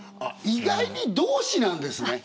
意外に同志なんですね。